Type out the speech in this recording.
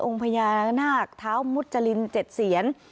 องค์พญานาคท้าวมุจจริง๗เสียน